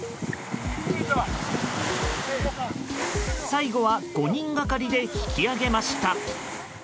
最後は５人がかりで引き揚げました。